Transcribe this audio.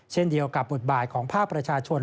เช่นเดียวกับบทบาทของภาคประชาชน